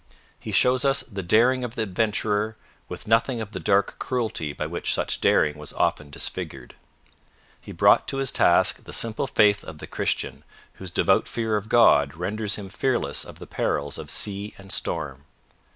He shows us the daring of the adventurer with nothing of the dark cruelty by which such daring was often disfigured. He brought to his task the simple faith of the Christian whose devout fear of God renders him fearless of the perils of sea and storm.